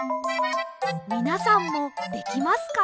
みなさんもできますか？